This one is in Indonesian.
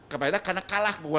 karena kalah kualitas